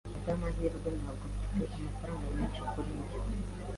Kubwamahirwe, ntabwo mfite amafaranga menshi kuri njye.